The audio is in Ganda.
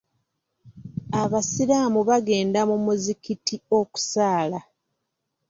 Abasiraamu bagenda mu muzikiti okusaala.